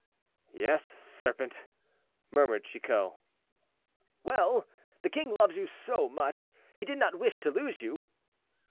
"Yes, serpent," murmured Chicot. "Well! the king loves you so much, he did not wish to lose you."